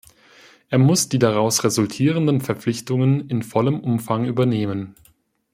Er muss die daraus resultierenden Verpflichtungen in vollem Umfang übernehmen.